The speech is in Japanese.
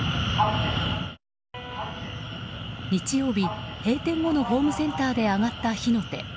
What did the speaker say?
日曜日、閉店後のホームセンターで上がった火の手。